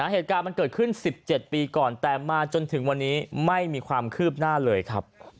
เหตุการณ์มันเกิดขึ้น๑๗ปีก่อนแต่มาจนถึงวันนี้ไม่มีความคืบหน้าเลยครับ